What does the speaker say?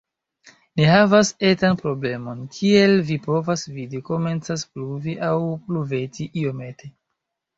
Ni havas etan problemon. Kiel vi povas vidi, komencas pluvi, aŭ pluveti, iomete.